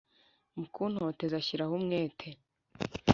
Mukuntoteza ashyiraho umwete